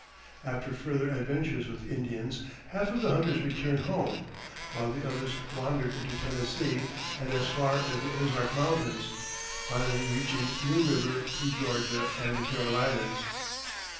After further adventures with Indians half of the hunters returned home; while the others wandered into Tennessee and as far as the Ozark Mountains, finally reaching New River through Georgia and the Carolinas.